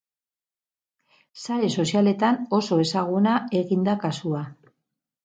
Sare sozialetan oso ezaguna egin da kasua.